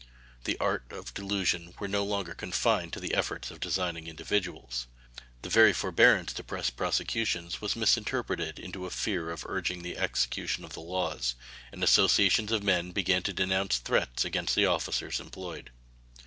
The arts of delusion were no longer confined to the efforts of designing individuals. The very forbearance to press prosecutions was misinterpreted into a fear of urging the execution of the laws, and associations of men began to denounce threats against the officers employed.